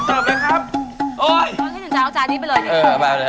ก็ได้๑จานลดจานดิ๊ดไปเลย